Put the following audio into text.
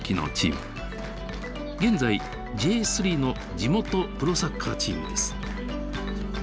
現在Ｊ３の地元プロサッカーチームです。